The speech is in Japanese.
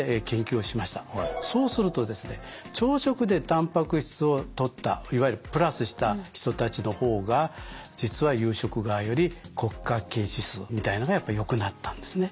そうするとですね朝食でたんぱく質をとったいわゆるプラスした人たちの方が実は夕食側より骨格筋指数みたいなのがやっぱりよくなったんですね。